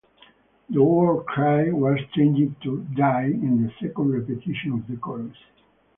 The word "cry" was changed to "die" in the second repetition of the chorus.